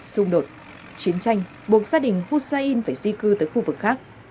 xung đột chiến tranh buộc gia đình husain phải di cư tới khu vực khác